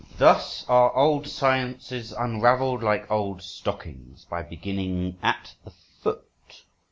Thus are old sciences unravelled like old stockings, by beginning at the foot.